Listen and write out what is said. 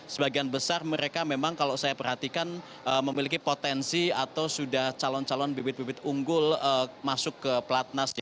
sebagian besar mereka memang kalau saya perhatikan memiliki potensi atau sudah calon calon bibit bibit unggul masuk ke pelatnas